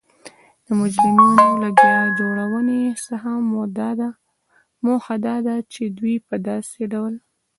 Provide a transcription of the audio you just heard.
د مجرمینو له بیا جوړونې څخه موخه دا ده چی دوی په داسې ډول